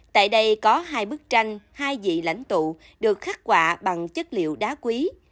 tại đây có hai bức tranh hai vị lãnh tụ được khắc quạ bằng chất liệu đá quý